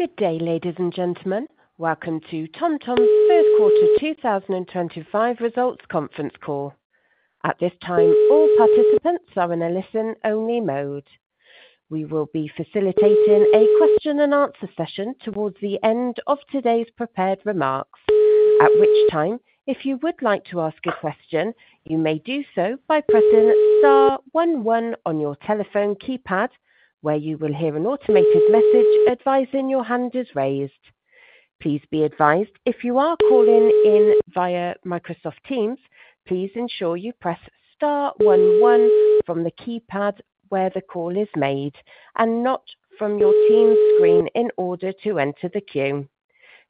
Good day, ladies and gentlemen. Welcome to TomTom's first quarter 2025 results conference call. At this time, all participants are in a listen-only mode. We will be facilitating a question-and-answer session towards the end of today's prepared remarks, at which time, if you would like to ask a question, you may do so by pressing Star one one on your telephone keypad, where you will hear an automated message advising your hand is raised. Please be advised, if you are calling in via Microsoft Teams, please ensure you press Star one one from the keypad where the call is made, and not from your Teams screen in order to enter the queue.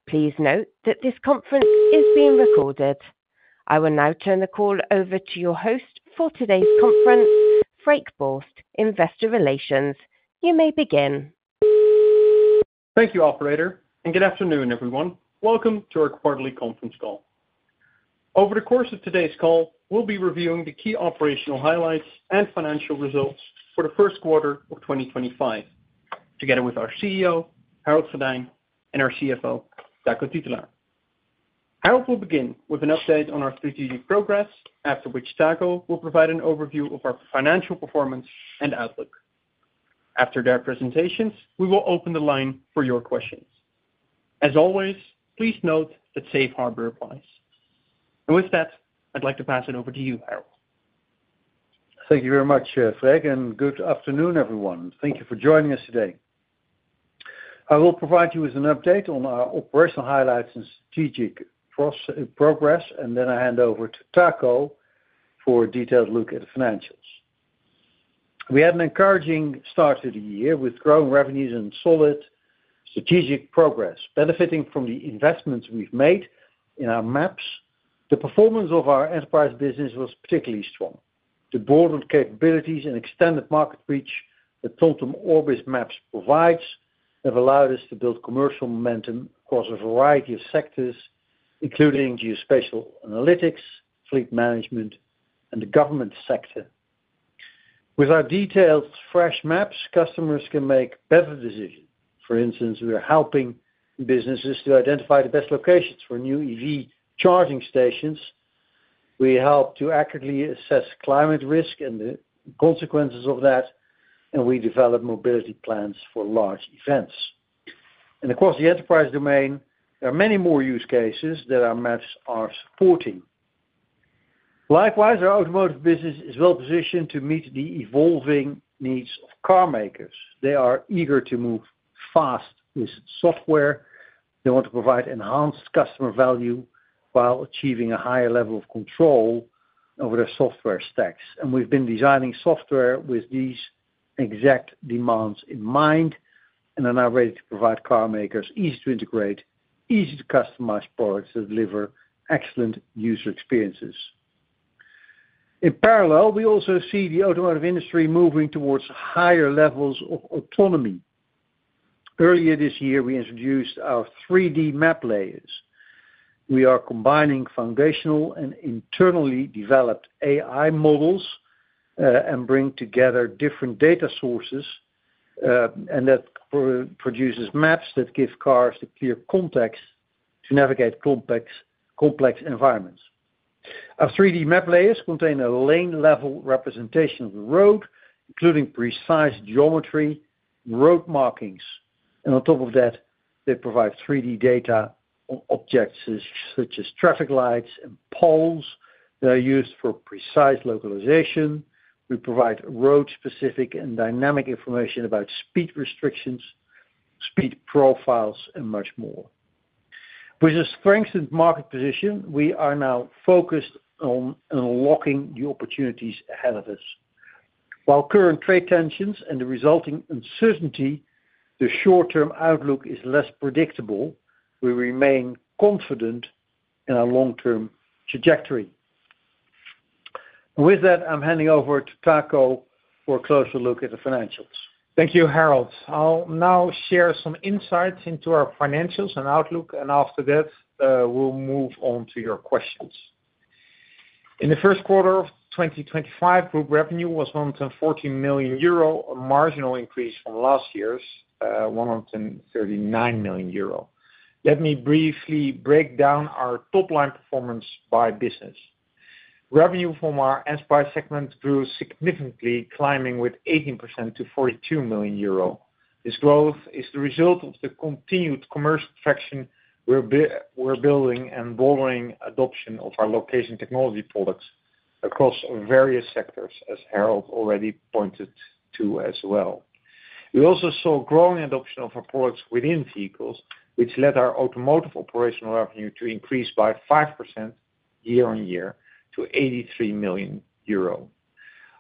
Please note that this conference is being recorded. I will now turn the call over to your host for today's conference, Freek Borst, Investor Relations. You may begin. Thank you, Operator, and good afternoon, everyone. Welcome to our quarterly conference call. Over the course of today's call, we'll be reviewing the key operational highlights and financial results for the first quarter of 2025, together with our CEO, Harold Goddijn, and our CFO, Taco Titulaer. Harold will begin with an update on our strategic progress, after which Taco will provide an overview of our financial performance and outlook. After their presentations, we will open the line for your questions. As always, please note that safe harbor applies. With that, I'd like to pass it over to you, Harold. Thank you very much, Freek, and good afternoon, everyone. Thank you for joining us today. I will provide you with an update on our operational highlights and strategic progress, and then I hand over to Taco for a detailed look at the financials. We had an encouraging start to the year with growing revenues and solid strategic progress, benefiting from the investments we've made in our maps. The performance of our Enterprise business was particularly strong. The broader capabilities and extended market reach that TomTom Orbis Maps provides have allowed us to build commercial momentum across a variety of sectors, including geospatial analytics, fleet management, and the government sector. With our detailed, fresh maps, customers can make better decisions. For instance, we are helping businesses to identify the best locations for new EV charging stations. We help to accurately assess climate risk and the consequences of that, and we develop mobility plans for large events. Across the Enterprise domain, there are many more use cases that our maps are supporting. Likewise, our Automotive business is well positioned to meet the evolving needs of car makers. They are eager to move fast with software. They want to provide enhanced customer value while achieving a higher level of control over their software stacks. We have been designing software with these exact demands in mind, and are now ready to provide car makers easy-to-integrate, easy-to-customize products that deliver excellent user experiences. In parallel, we also see the Automotive industry moving towards higher levels of autonomy. Earlier this year, we introduced our 3D map layers. We are combining foundational and internally developed AI models and bring together different data sources, and that produces Maps that give cars a clear context to navigate 3D map layers contain a lane-level representation of the road, including precise geometry and road markings. On top of that, they provide 3D data on objects such as traffic lights and poles that are used for precise localization. We provide road-specific and dynamic information about speed restrictions, speed profiles, and much more. With a strengthened market position, we are now focused on unlocking the opportunities ahead of us. While current trade tensions and the resulting uncertainty, the short-term outlook is less predictable, we remain confident in our long-term trajectory. With that, I'm handing over to Taco for a closer look at the financials. Thank you, Harold. I'll now share some insights into our financials and outlook, and after that, we'll move on to your questions. In the first quarter of 2025, group revenue was 140 million euro, a marginal increase from last year's 139 million euro. Let me briefly break down our top-line performance by business. Revenue from our Enterprise segment grew significantly, climbing with 18% to 42 million euro. This growth is the result of the continued commercial traction we're building and broadening adoption of our Location Technology products across various sectors, as Harold already pointed to as well. We also saw growing adoption of our products within vehicles, which led our Automotive operational revenue to increase by 5% year-on-year to 83 million euro.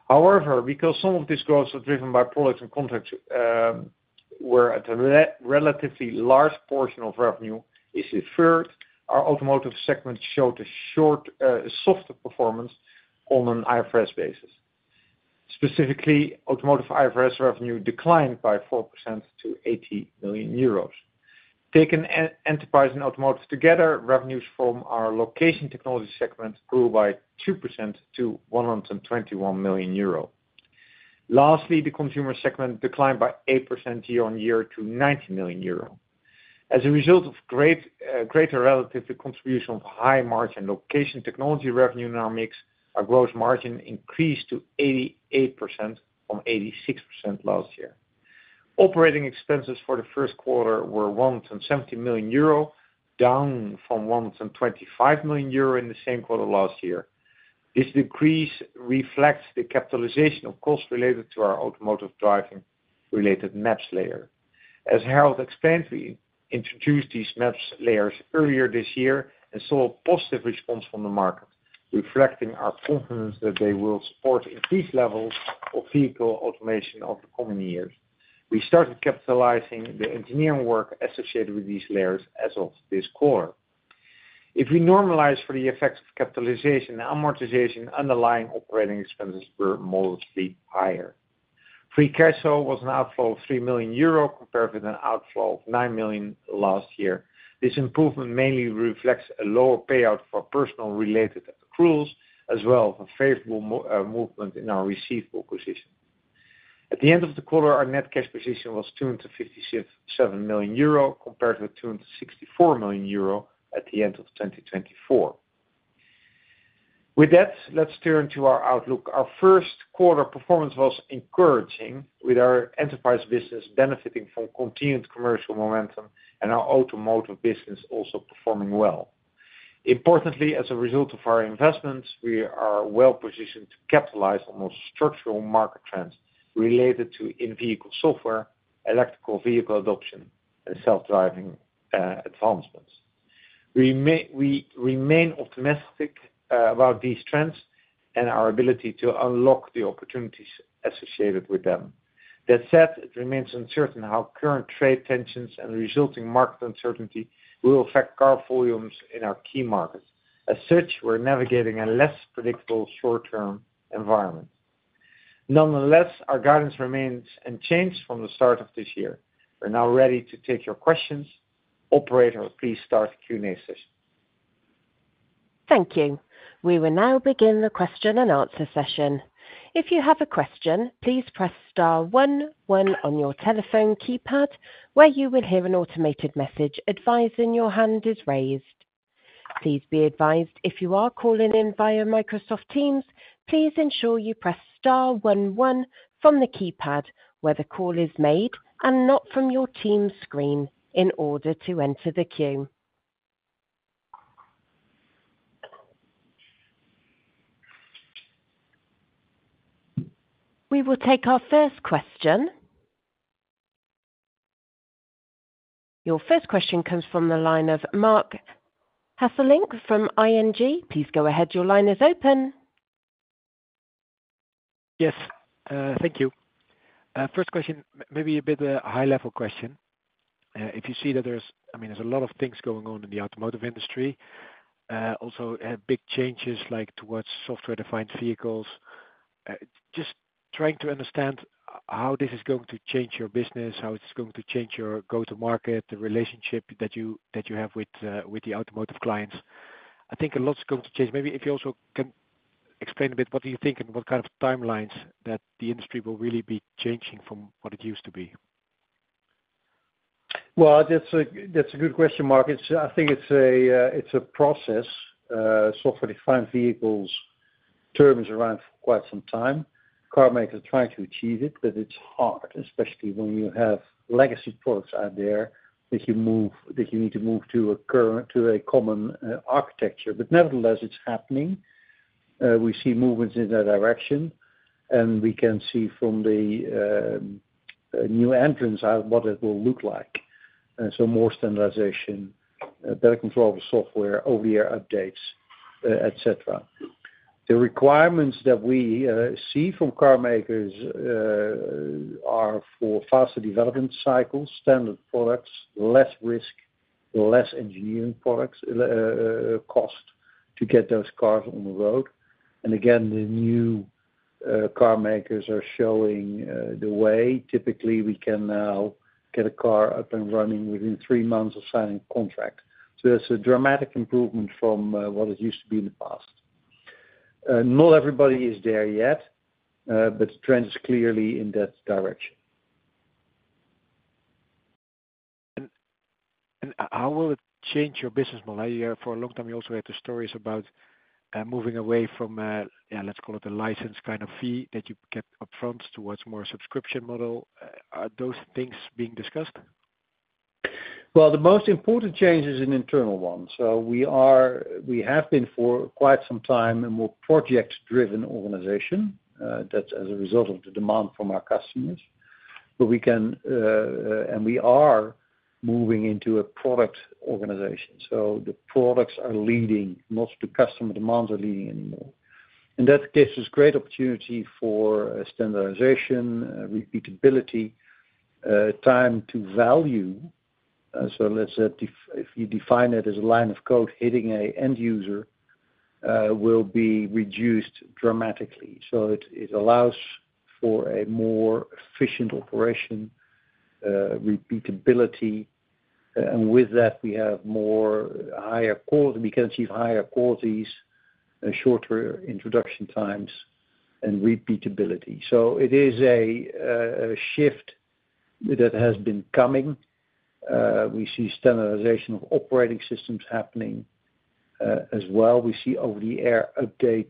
However, because some of this growth was driven by products and contracts where a relatively large portion of revenue is deferred, our Automotive segment showed a softer performance on an IFRS basis. Specifically, Automotive IFRS revenue declined by 4% to 80 million euros. Taking Enterprise and Automotive together, revenues from our Location Technology segment grew by 2% to 121 million euro. Lastly, the Consumer segment declined by 8% year-on-year to 90 million euro. As a result of greater relative contribution of high-margin Location Technology revenue in our mix, our gross margin increased to 88% from 86% last year. Operating expenses for the first quarter were 170 million euro, down from 125 million euro in the same quarter last year. This decrease reflects the capitalization of costs related to our Automotive driving-related maps layer. As Harold explained, we introduced these Maps layers earlier this year and saw a positive response from the market, reflecting our confidence that they will support increased levels of vehicle automation over the coming years. We started capitalizing the engineering work associated with these layers as of this quarter. If we normalize for the effects of capitalization, the amortization underlying operating expenses were modestly higher. Free cash flow was an outflow of 3 million euro compared with an outflow of 9 million last year. This improvement mainly reflects a lower payout for personal-related accruals, as well as a favorable movement in our receivable position. At the end of the quarter, our net cash position was 257 million euro compared with 264 million euro at the end of 2024. With that, let's turn to our outlook. Our first quarter performance was encouraging, with our Enterprise business benefiting from continued commercial momentum and our Automotive business also performing well. Importantly, as a result of our investments, we are well positioned to capitalize on those structural market trends related to in-vehicle software, electric vehicle adoption, and self-driving advancements. We remain optimistic about these trends and our ability to unlock the opportunities associated with them. That said, it remains uncertain how current trade tensions and resulting market uncertainty will affect car volumes in our key markets. As such, we're navigating a less predictable short-term environment. Nonetheless, our guidance remains unchanged from the start of this year. We're now ready to take your questions. Operator, please start the Q&A session. Thank you. We will now begin the question-and-answer session. If you have a question, please press Star one one on your telephone keypad, where you will hear an automated message advising your hand is raised. Please be advised, if you are calling in via Microsoft Teams, please ensure you press Star one one from the keypad where the call is made and not from your Teams screen in order to enter the queue. We will take our first question. Your first question comes from the line of Marc Hesselink from ING? Please go ahead. Your line is open. Yes. Thank you. First question, maybe a bit of a high-level question. If you see that there's, I mean, there's a lot of things going on in the Automotive industry, also big changes like towards software-defined vehicles. Just trying to understand how this is going to change your business, how it's going to change your go-to-market, the relationship that you have with the Automotive clients. I think a lot is going to change. Maybe if you also can explain a bit what do you think and what kind of timelines that the industry will really be changing from what it used to be. That's a good question, Marc. I think it's a process. Software-defined vehicles. Term's around for quite some time. Car makers are trying to achieve it, but it's hard, especially when you have legacy products out there that you need to move to a common architecture. Nevertheless, it's happening. We see movements in that direction, and we can see from the new entrants out what it will look like. More standardization, better control of the software, over-the-air updates, etc. The requirements that we see from car makers are for faster development cycles, standard products, less risk, less engineering cost to get those cars on the road. Again, the new car makers are showing the way. Typically, we can now get a car up and running within three months of signing a contract. That's a dramatic improvement from what it used to be in the past. Not everybody is there yet, but the trend is clearly in that direction. How will it change your business model? For a long time, you also had the stories about moving away from, yeah, let's call it a license kind of fee that you kept upfront towards more subscription model. Are those things being discussed? The most important change is an internal one. We have been for quite some time a more project-driven organization. That's as a result of the demand from our customers. We can, and we are, moving into a product organization. The products are leading. Most of the customer demands are not leading anymore. In that case, there's great opportunity for standardization, repeatability, time to value. Let's say if you define it as a line of code hitting an end user, it will be reduced dramatically. It allows for a more efficient operation, repeatability. With that, we have higher quality. We can achieve higher qualities and shorter introduction times and repeatability. It is a shift that has been coming. We see standardization of operating systems happening as well. We see over-the-air update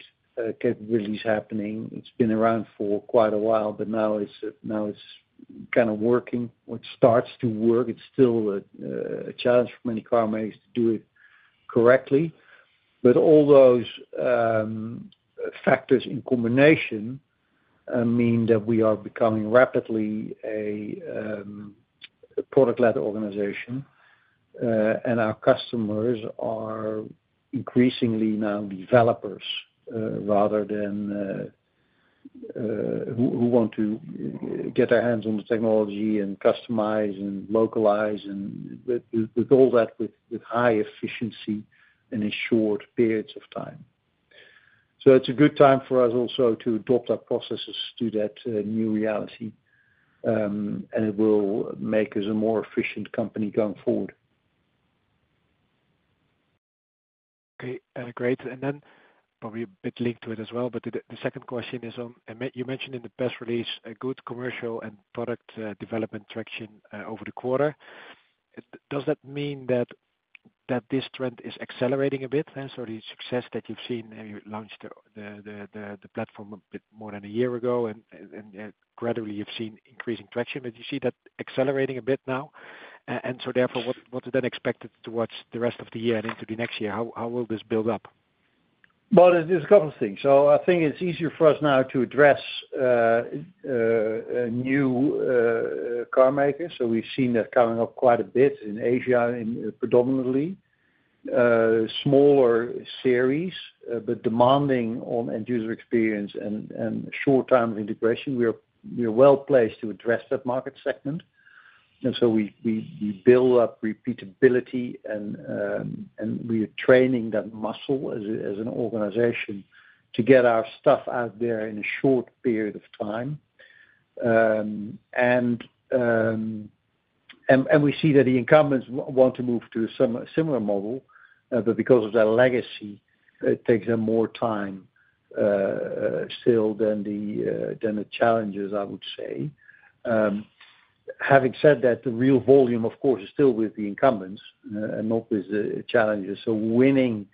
capabilities happening. It's been around for quite a while, but now it's kind of working. It starts to work. It's still a challenge for many car makers to do it correctly. All those factors in combination mean that we are becoming rapidly a product-led organization, and our customers are increasingly now developers rather than who want to get their hands on the technology and customize and localize and with all that with high efficiency and in short periods of time. It's a good time for us also to adopt our processes to that new reality, and it will make us a more efficient company going forward. Okay. Great. Probably a bit linked to it as well, the second question is on, you mentioned in the press release a good commercial and product development traction over the quarter. Does that mean that this trend is accelerating a bit? The success that you've seen, you launched the platform a bit more than a year ago, and gradually you've seen increasing traction. You see that accelerating a bit now. Therefore, what is then expected towards the rest of the year and into the next year? How will this build up? There is a couple of things. I think it is easier for us now to address new car makers. We have seen that coming up quite a bit in Asia, predominantly. Smaller series, but demanding on end-user experience and short time of integration. We are well placed to address that market segment. We build up repeatability, and we are training that muscle as an organization to get our stuff out there in a short period of time. We see that the incumbents want to move to a similar model, but because of their legacy, it takes them more time still than the challengers, I would say. Having said that, the real volume, of course, is still with the incumbents and not with the challengers. Winning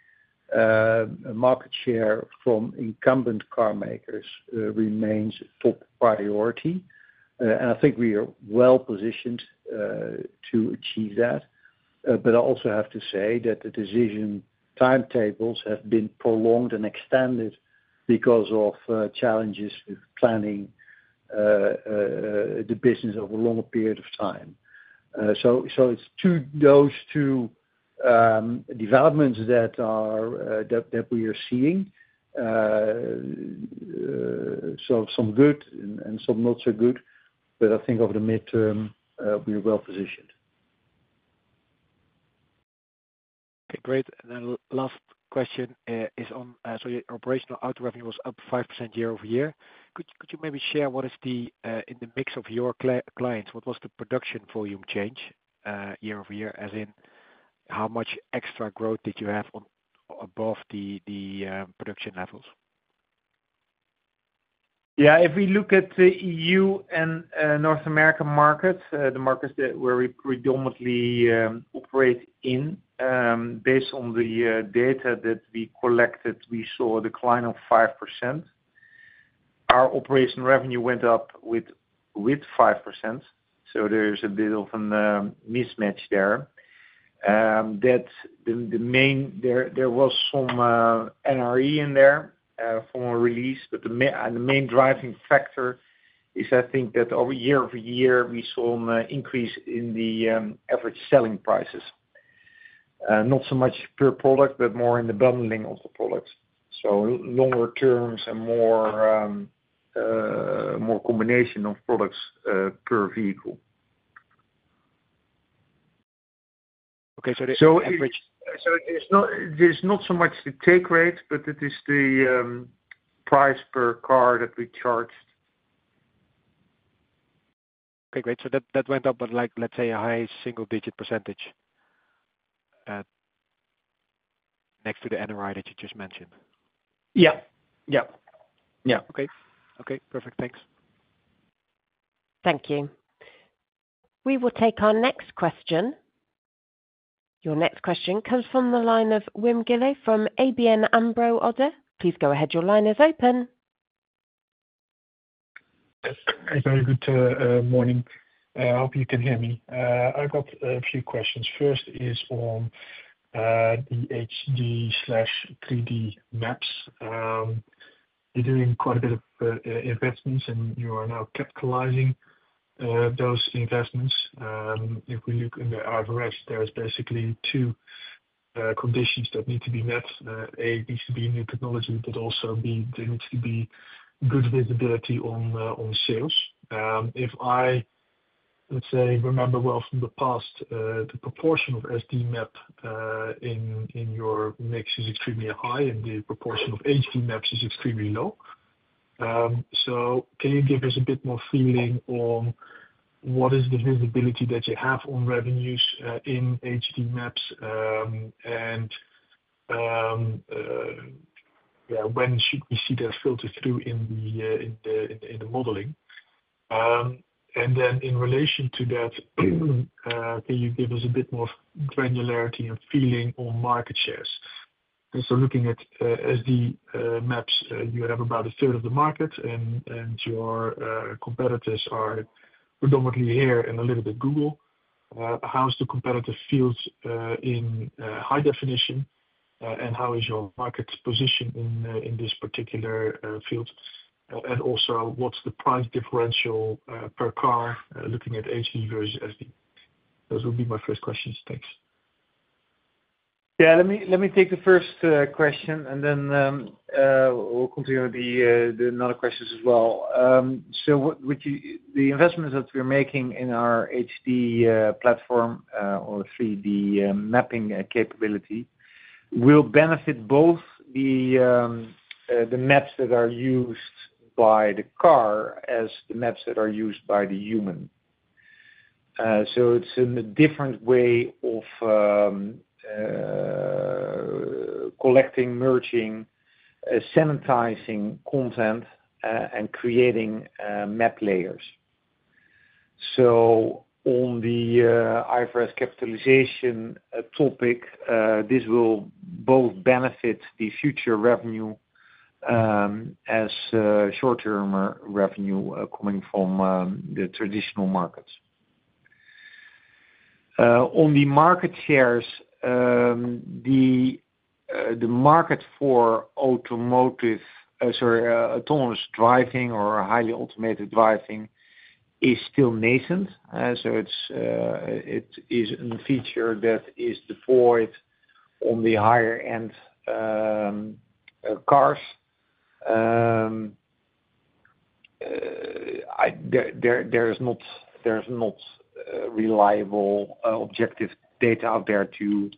market share from incumbent car makers remains a top priority. I think we are well positioned to achieve that. I also have to say that the decision timetables have been prolonged and extended because of challenges with planning the business over a longer period of time. It is those two developments that we are seeing. Some good and some not so good. I think over the midterm, we are well positioned. Okay. Great. Last question is on, your operational auto revenue was up 5% year-over-year. Could you maybe share what is the in the mix of your clients, what was the production volume change year-over-year, as in how much extra growth did you have above the production levels? Yeah. If we look at the EU and North America markets, the markets that we predominantly operate in, based on the data that we collected, we saw a decline of 5%. Our operation revenue went up with 5%. There is a bit of a mismatch there. There was some NRE in there from a release, but the main driving factor is, I think, that over year-over-year, we saw an increase in the average selling prices. Not so much per product, but more in the bundling of the products. Longer terms and more combination of products per vehicle. Okay. The average. There is not so much the take rate, but it is the price per car that we charged. Okay. Great. That went up, but let's say a high single-digit % next to the NRE that you just mentioned. Yeah. Yeah. Yeah. Okay. Okay. Perfect. Thanks. Thank you. We will take our next question. Your next question comes from the line of Wim Gille from ABN AMRO. Please go ahead. Your line is open. Hey, very good morning. I hope you can hear me. I've got a few questions. First is on the HD/3D maps. You're doing quite a bit of investments, and you are now capitalizing those investments. If we look in the IFRS, there's basically two conditions that need to be met. A, it needs to be new technology, but also B, there needs to be good visibility on sales. If I, let's say, remember well from the past, the proportion of SD map in your mix is extremely high, and the proportion HD maps is extremely low. Can you give us a bit more feeling on what is the visibility that you have on revenues HD maps? yeah, when should we see that filter through in the modeling? In relation to that, can you give us a bit more granularity and feeling on market shares? Looking at SD maps, you have about a third of the market, and your competitors are predominantly here and a little bit Google. How's the competitive field in high definition? How is your market position in this particular field? Also, what's the price differential per car looking at HD versus SD? Those would be my first questions. Thanks. Yeah. Let me take the first question, and then we'll continue with the other questions as well. The investments that we're making in our HD platform or 3D mapping capability will benefit both the Maps that are used by the car as the Maps that are used by the human. It is a different way of collecting, merging, sanitizing content, and creating Map layers. On the IFRS capitalization topic, this will both benefit the future revenue as well as short-term revenue coming from the traditional markets. On the market shares, the market for Automotive, sorry, autonomous driving or highly automated driving is still nascent. It is a feature that is deployed on the higher-end cars. There's not reliable objective data out there to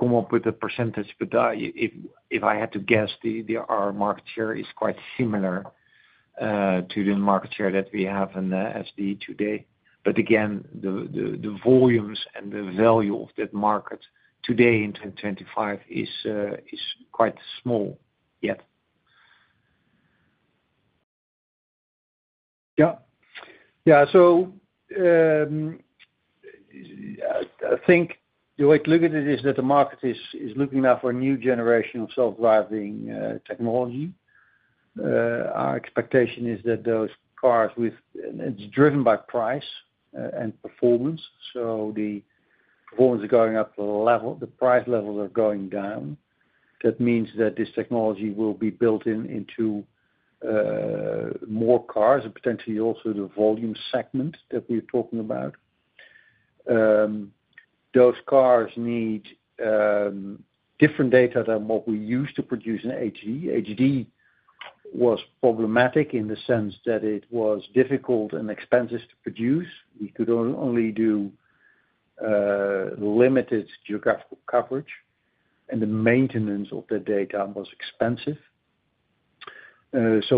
come up with a percentage, but if I had to guess, our market share is quite similar to the market share that we have in SD today. Again, the volumes and the value of that market today in 2025 is quite small yet. Yeah. Yeah. I think the way to look at it is that the market is looking now for a new generation of self-driving technology. Our expectation is that those cars, with it's driven by price and performance. The performance is going up the level. The price levels are going down. That means that this technology will be built into more cars and potentially also the volume segment that we're talking about. Those cars need different data than what we used to produce in HD. HD was problematic in the sense that it was difficult and expensive to produce. We could only do limited geographical coverage, and the maintenance of the data was expensive.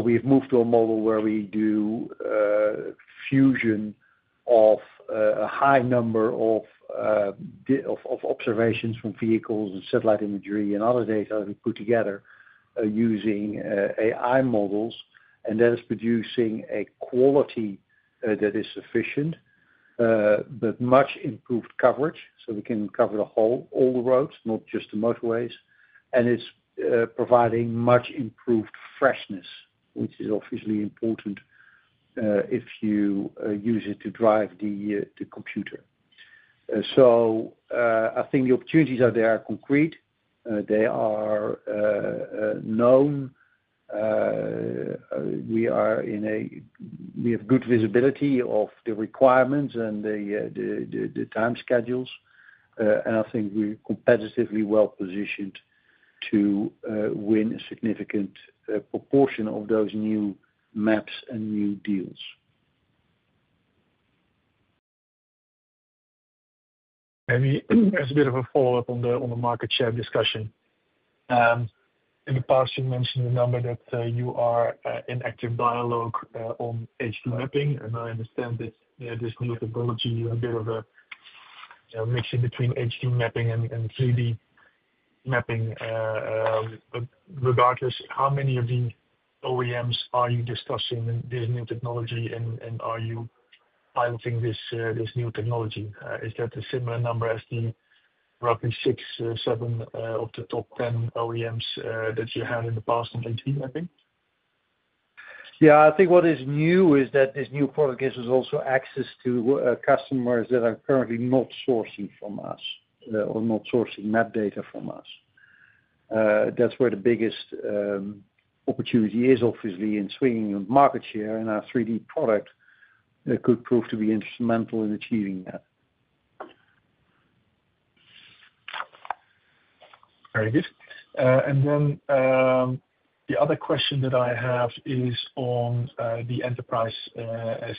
We have moved to a model where we do fusion of a high number of observations from vehicles and satellite imagery and other data we put together using AI models. That is producing a quality that is sufficient, but much improved coverage. We can cover all the roads, not just the motorways. It is providing much improved freshness, which is obviously important if you use it to drive the computer. I think the opportunities out there are concrete. They are known. We have good visibility of the requirements and the time schedules. I think we are competitively well positioned to win a significant proportion of those new Maps and new deals. Maybe as a bit of a follow-up on the market share discussion. In the past, you mentioned the number that you are in active dialogue on HD mapping. I understand that this new technology, you have a bit of a mix in between HD mapping and 3D mapping. Regardless, how many of the OEMs are you discussing this new technology, and are you piloting this new technology? Is that a similar number as the roughly six, seven of the top 10 OEMs that you had in the past on HD mapping? Yeah. I think what is new is that this new product gives us also access to customers that are currently not sourcing from us or not sourcing Map data from us. That's where the biggest opportunity is, obviously, in swinging market share, and our 3D product could prove to be instrumental in achieving that. Very good. The other question that I have is on the Enterprise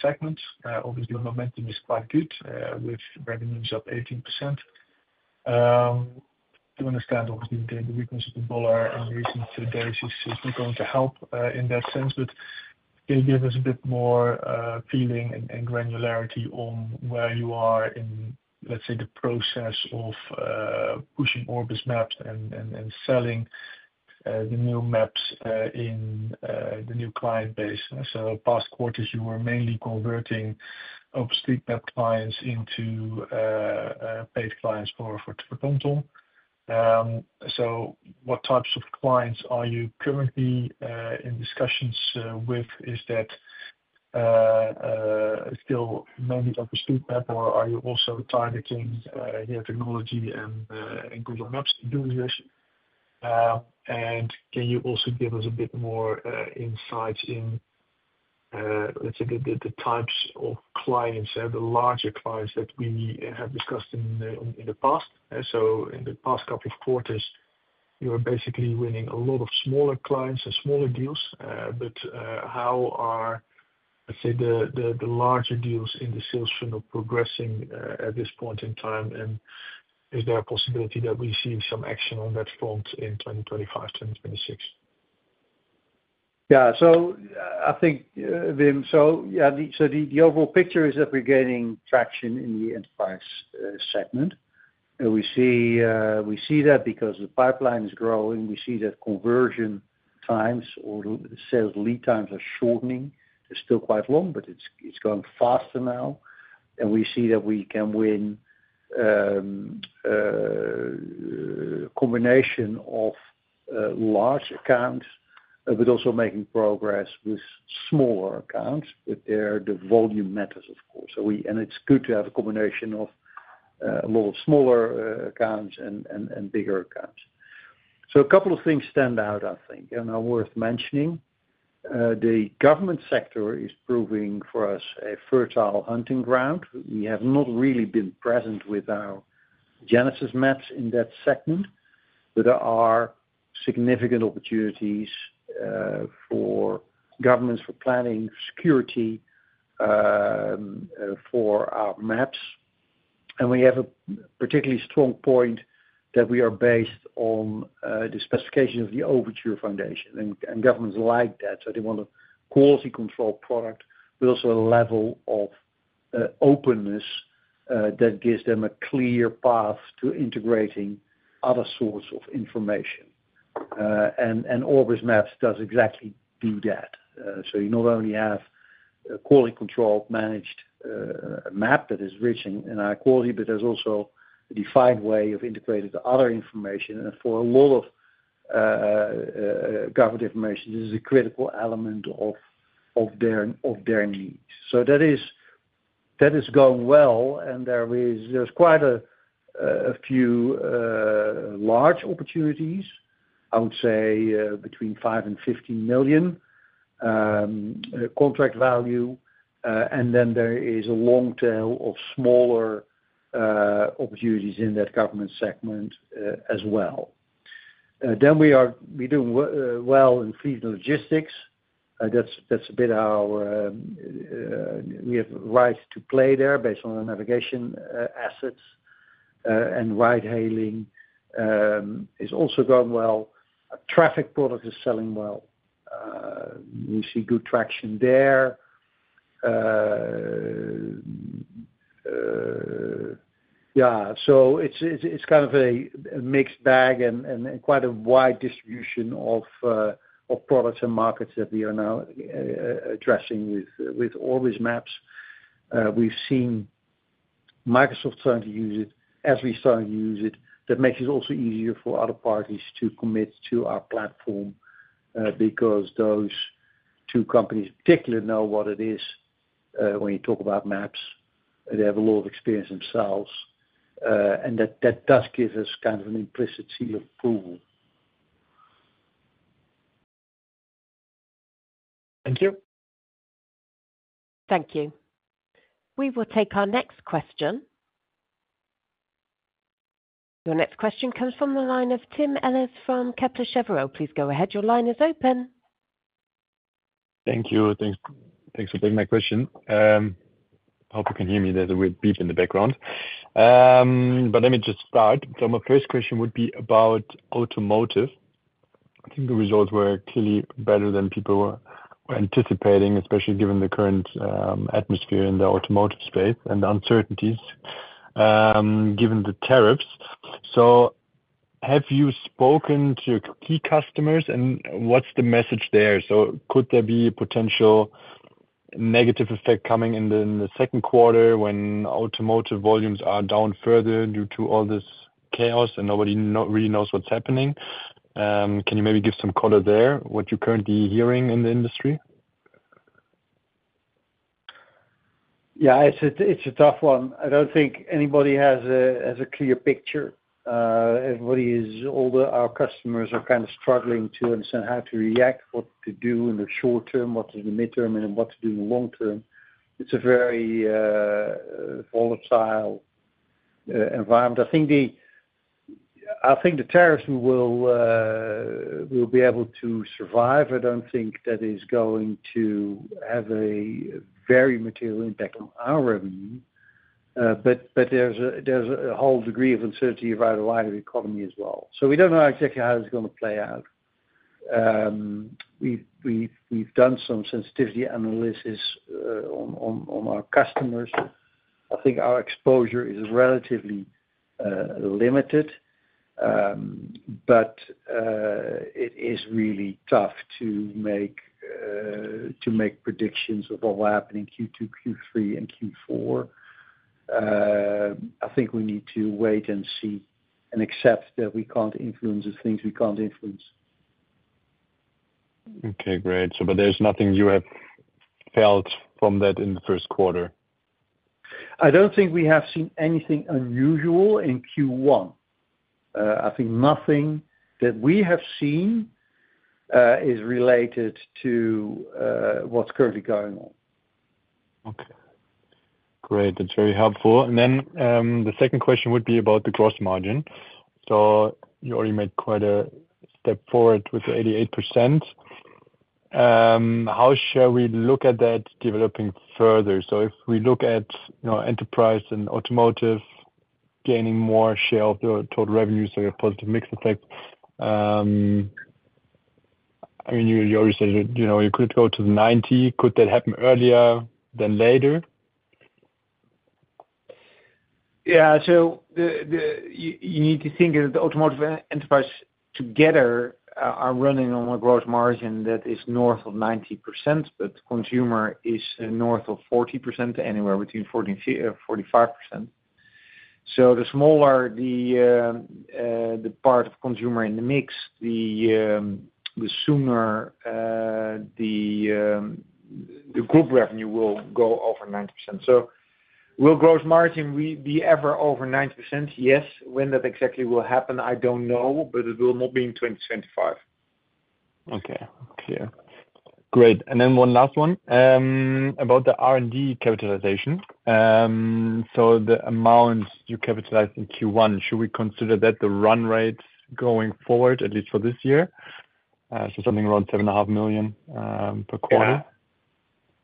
segment. Obviously, momentum is quite good with revenues of 18%. To understand, obviously, the weakness of the dollar in recent days is not going to help in that sense. Can you give us a bit more feeling and granularity on where you are in, let's say, the process of pushing Orbis Maps and selling the new Maps in the new client base? Past quarters, you were mainly converting upstream clients into paid clients for TomTom. What types of clients are you currently in discussions with? Is that still mainly upstream Map, or are you also targeting technology and Google Maps doing this? Can you also give us a bit more insights in, let's say, the types of clients, the larger clients that we have discussed in the past? In the past couple of quarters, you were basically winning a lot of smaller clients and smaller deals. How are, let's say, the larger deals in the sales funnel progressing at this point in time? Is there a possibility that we see some action on that front in 2025, 2026? Yeah. I think, Wim, the overall picture is that we're gaining traction in the Enterprise segment. We see that because the pipeline is growing. We see that conversion times or sales lead times are shortening. They're still quite long, but it's going faster now. We see that we can win a combination of large accounts, but also making progress with smaller accounts. The volume matters, of course. It's good to have a combination of a lot of smaller accounts and bigger accounts. A couple of things stand out, I think, and are worth mentioning. The government sector is proving for us a fertile hunting ground. We have not really been present with our Genesis maps in that segment, but there are significant opportunities for governments for planning, security for our maps. We have a particularly strong point that we are based on the specification of the Overture Maps Foundation. Governments like that. They want a quality-controlled product, but also a level of openness that gives them a clear path to integrating other sorts of information. Orbis Maps does exactly do that. You not only have a quality-controlled, managed Map that is rich in high quality, but there is also a defined way of integrating other information. For a lot of government information, this is a critical element of their needs. That is going well. There are quite a few large opportunities, I would say, between 5 million and 15 million contract value. There is a long tail of smaller opportunities in that government segment as well. We are doing well in fleet and logistics. That's a bit our we have a right to play there based on our navigation assets. Ride-hailing is also going well. Traffic product is selling well. We see good traction there. Yeah. It's kind of a mixed bag and quite a wide distribution of products and markets that we are now addressing with Orbis Maps. We've seen Microsoft starting to use it, as we started to use it, that makes it also easier for other parties to commit to our platform because those two companies particularly know what it is when you talk about Maps. They have a lot of experience themselves. That does give us kind of an implicit seal of approval. Thank you. Thank you. We will take our next question. Your next question comes from the line of Tim Ehlers from Kepler Cheuvreux. Please go ahead. Your line is open. Thank you. Thanks for taking my question. I hope you can hear me. There's a weird beep in the background. Let me just start. My first question would be about Automotive. I think the results were clearly better than people were anticipating, especially given the current atmosphere in the Automotive space and the uncertainties given the tariffs. Have you spoken to key customers, and what's the message there? Could there be a potential negative effect coming in the second quarter when Automotive volumes are down further due to all this chaos and nobody really knows what's happening? Can you maybe give some color there, what you're currently hearing in the industry? Yeah. It's a tough one. I don't think anybody has a clear picture. Everybody is older. Our customers are kind of struggling to understand how to react, what to do in the short term, what to do in the midterm, and what to do in the long term. It's a very volatile environment. I think the tariffs will be able to survive. I don't think that is going to have a very material impact on our revenue. There is a whole degree of uncertainty around the wider economy as well. We don't know exactly how it's going to play out. We've done some sensitivity analysis on our customers. I think our exposure is relatively limited, but it is really tough to make predictions of what will happen in Q2, Q3, and Q4. I think we need to wait and see and accept that we can't influence the things we can't influence. Okay. Great. There is nothing you have felt from that in the first quarter? I don't think we have seen anything unusual in Q1. I think nothing that we have seen is related to what's currently going on. Okay. Great. That's very helpful. The second question would be about the gross margin. You already made quite a step forward with the 88%. How shall we look at that developing further? If we look at Enterprise and Automotive gaining more share of the total revenue, a positive mixed effect, I mean, you already said you could go to the 90%. Could that happen earlier than later? Yeah. You need to think that the Automotive and Enterprise together are running on a gross margin that is north of 90%, but Consumer is north of 40%, anywhere between 40%-45%. The smaller the part of Consumer in the mix, the sooner the group revenue will go over 90%. Will gross margin be ever over 90%? Yes. When that exactly will happen, I don't know, but it will not be in 2025. Okay. Clear. Great. One last one about the R&D capitalization. The amount you capitalized in Q1, should we consider that the run rate going forward, at least for this year? Something around 7.5 million per quarter?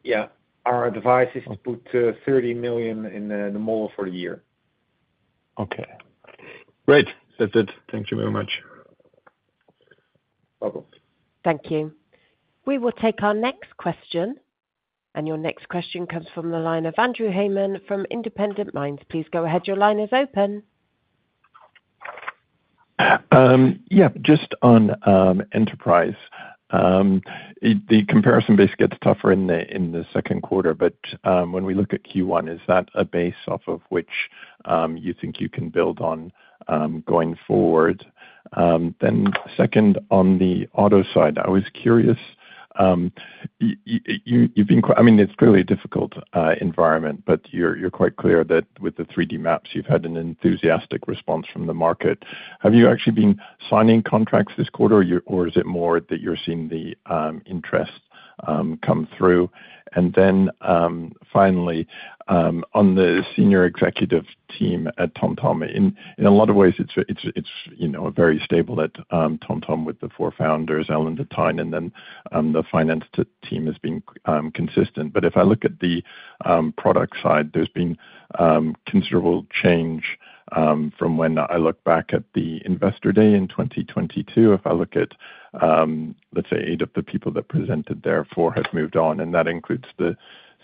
Yeah. Our advice is to put 30 million in the model for the year. Okay. Great. That's it. Thank you very much. Bye-bye. Thank you. We will take our next question. Your next question comes from the line of Andrew Hayman from Independent Minds. Please go ahead. Your line is open. Yeah. Just on Enterprise, the comparison base gets tougher in the second quarter. When we look at Q1, is that a base off of which you think you can build on going forward? Second, on the auto side, I was curious. I mean, it's clearly a difficult environment, but you're quite clear that with the 3D maps, you've had an enthusiastic response from the market. Have you actually been signing contracts this quarter, or is it more that you're seeing the interest come through? Finally, on the senior executive team at TomTom, in a lot of ways, it's very stable at TomTom with the four founders, Alain De Taeye, and then the finance team has been consistent. If I look at the product side, there's been considerable change from when I look back at the investor day in 2022. If I look at, let's say, eight of the people that presented there, four have moved on, and that includes the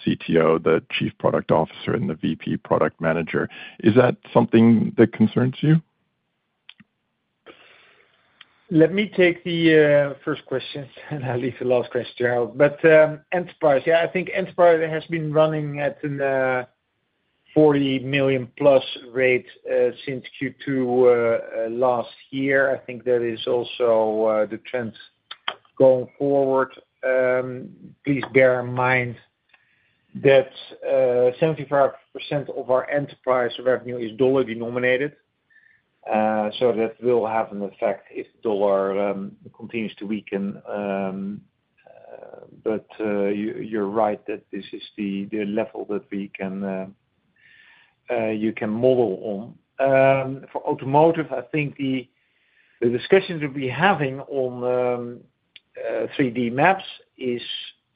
CTO, the Chief Product Officer, and the VP Product Manager. Is that something that concerns you? Let me take the first question, and I'll leave the last question out. Enterprise, yeah, I think Enterprise has been running at a €40 million-plus rate since Q2 last year. I think that is also the trend going forward. Please bear in mind that 75% of our Enterprise revenue is dollar-denominated. That will have an effect if the dollar continues to weaken. You're right that this is the level that you can model on. For Automotive, I think the discussions that 3D map layers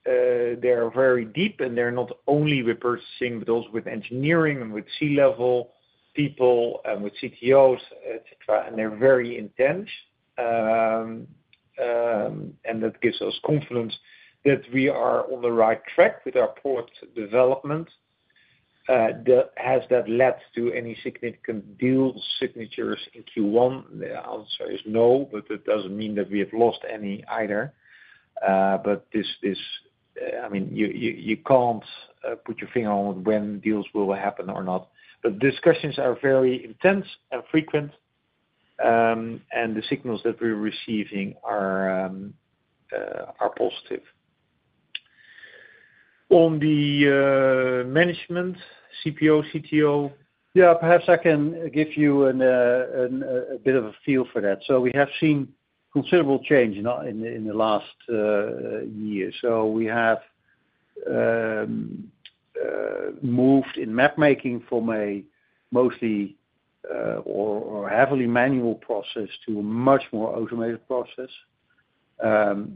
are very deep, and they're not only with purchasing, but also with engineering and with C-level people and with CTOs, etc. They're very intense. That gives us confidence that we are on the right track with our product development. Has that led to any significant deal signatures in Q1? The answer is no, but that does not mean that we have lost any either. I mean, you cannot put your finger on when deals will happen or not. Discussions are very intense and frequent, and the signals that we are receiving are positive. On the management, CPO, CTO, yeah, perhaps I can give you a bit of a feel for that. We have seen considerable change in the last year. We have moved in Map-making from a mostly or heavily manual process to a much more automated process.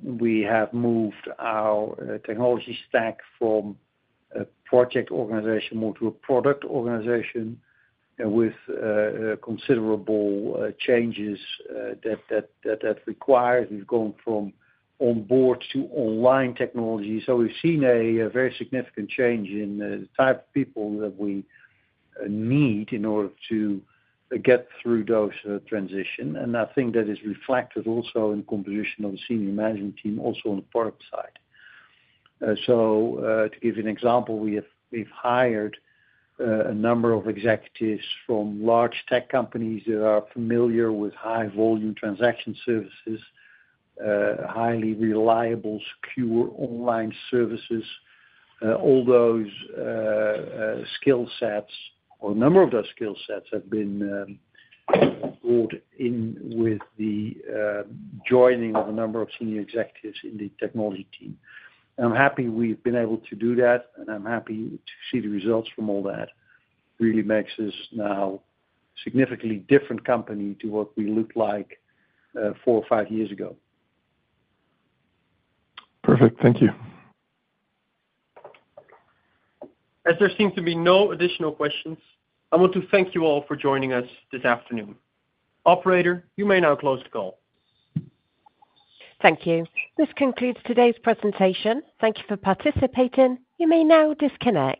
We have moved our technology stack from a project organization more to a product organization with considerable changes that that requires. We have gone from onboard to online technology. We have seen a very significant change in the type of people that we need in order to get through those transitions. I think that is reflected also in the composition of the senior management team, also on the product side. To give you an example, we've hired a number of executives from large tech companies that are familiar with high-volume transaction services, highly reliable, secure online services. All those skill sets, or a number of those skill sets, have been brought in with the joining of a number of senior executives in the technology team. I'm happy we've been able to do that, and I'm happy to see the results from all that. Really makes us now a significantly different company to what we looked like four or five years ago. Perfect. Thank you. As there seems to be no additional questions, I want to thank you all for joining us this afternoon. Operator, you may now close the call. Thank you. This concludes today's presentation. Thank you for participating. You may now disconnect.